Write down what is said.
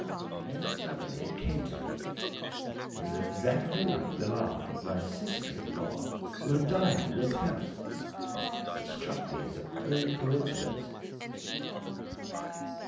Then, suddenly, it came to me. It was exactly like the laugh of my sister in law who had died in this house. It struck me as a queer coincidence.